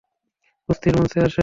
কুস্তির মঞ্চে আস।